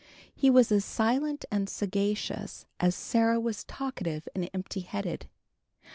He was as silent and sagacious as Sarah was talkative and empty headed.